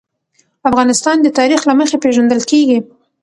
افغانستان د تاریخ له مخې پېژندل کېږي.